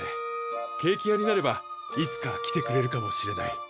ケーキ屋になればいつか来てくれるかもしれない。